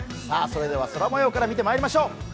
それでは空もようから見てまいりましょう。